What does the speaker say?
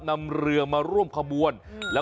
นำเรือมาร่วมขบวน